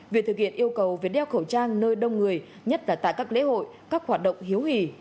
việc thực hiện yêu cầu về đeo khẩu trang nơi đông người nhất là tại các lễ hội các hoạt động hiếu hỉ